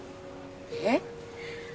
えっ？